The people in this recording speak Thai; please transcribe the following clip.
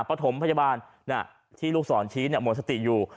ปฐมพยาบาลที่ลูกศรชี้หมดสติอยู่